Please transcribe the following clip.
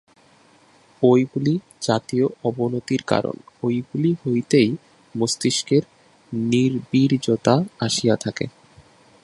ঐগুলি জাতীয় অবনতির কারণ, ঐগুলি হইতেই মস্তিষ্কের নির্বীর্যতা আসিয়া থাকে।